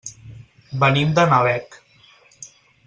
Venim de Nalec.